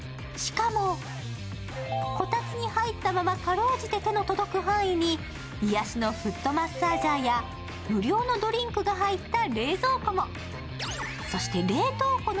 しかも、こたつに入ったまま辛うじて手の届く範囲に癒やしのフットマッサージャーや無料のドリンクが入った冷蔵庫も。